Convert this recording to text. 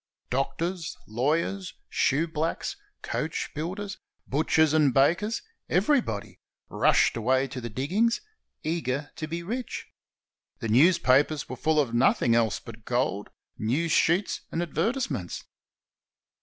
Doctors, lawyers, shoeblacks, coachbuilders, butchers and bakers — everybody — rushed away to the diggings, eager to be rich. The newspapers were full of nothing else but gold, news sheets, and advertise ments.